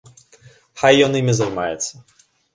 Хай ён імі займаецца.